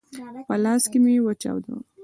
په لاس کي مي وچاودله !